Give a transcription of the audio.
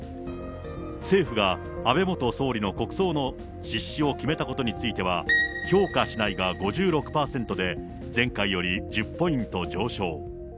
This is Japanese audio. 政府が安倍元総理の国葬の実施を決めたことについては、評価しないが５６％で、前回より１０ポイント上昇。